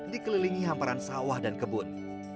dikelilingi hamparan sawah dan kebun